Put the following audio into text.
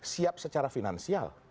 siap secara finansial